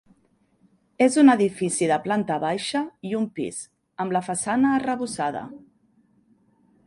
És un edifici de planta baixa i un pis, amb la façana arrebossada.